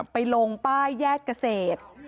ไปลงป้ายแยกเกษตร